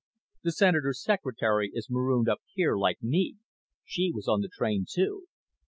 The Senator's secretary is marooned up here, like me. She was on the train, too."